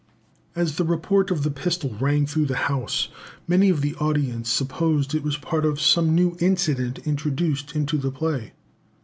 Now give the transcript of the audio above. As the report of the pistol rang through the house, many of the audience supposed it was part of some new incident introduced into the play.